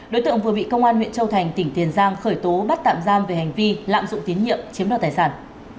đối tượng vừa bị công an huyện châu thành tỉnh tiền giang khởi tố bắt tạm giam về hành vi lạm dụng tín nhiệm chiếm đoạt tài sản